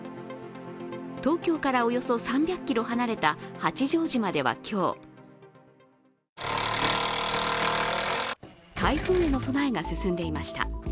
東京からおよそ３００ｋｍ離れた八丈島では今日台風への備えが進んでいました。